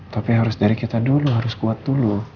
tapi harus dari kita dulu harus kuat dulu